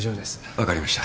分かりました。